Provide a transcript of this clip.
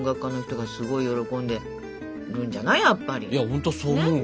ほんとそう思うわ。